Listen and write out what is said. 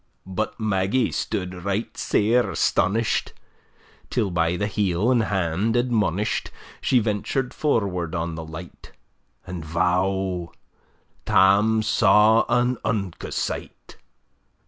But Maggie stood right sair astonish'd, Till, by the heel and hand admonish'd, She ventur'd forward on the light: And, vow! Tam saw an unco sight!